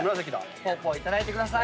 ぽーぽーいただいてください。